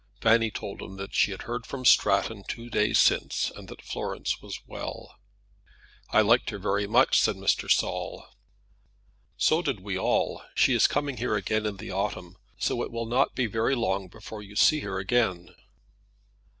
Fanny told him that she had heard from Stratton two days since, and that Florence was well. "I liked her very much," said Mr. Saul. "So did we all. She is coming here again in the autumn; so it will not be very long before you see her again."